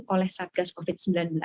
oleh satgas covid sembilan belas